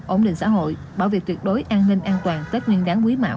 ổn định xã hội bảo vệ tuyệt đối an ninh an toàn tết nguyên đáng quý mảo hai nghìn hai mươi ba